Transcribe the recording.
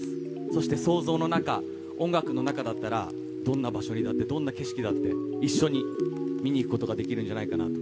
そして想像の中、音楽の中だったら、どんな場所にだって、どんな景色にだって、一緒に見に行くことができるんじゃないかな。